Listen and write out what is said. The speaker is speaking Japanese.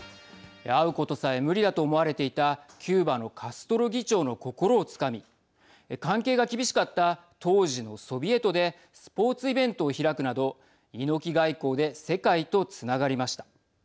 会うことさえ無理だと思われていたキューバのカストロ議長の心をつかみ関係が厳しかった当時のソビエトでスポーツイベントを開くなど猪木外交で世界とつながりました。